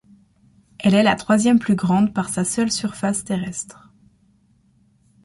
Elle est la troisième plus grande par sa seule surface terrestre.